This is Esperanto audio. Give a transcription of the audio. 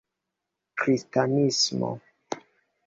kristanismo